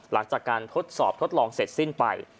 หลังจากการทดสอบทดลองเสร็จสิ้นไป